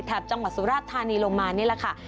จังหวัดสุราชธานีลงมานี่แหละค่ะ